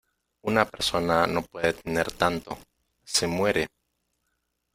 una persona no puede tener tanto, se muere.